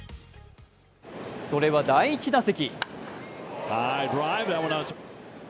それは第１打席。